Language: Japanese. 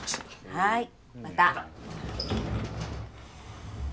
はいまた！